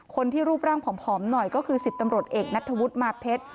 คนที่รูปร่างผอมหน่อยก็คือ๑๐ตำรวจเอกนัทธวุฒิมาเพชร